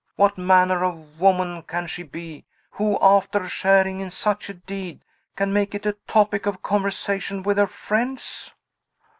What manner of woman can she be, who, after sharing in such a deed, can make it a topic of conversation with her friends?"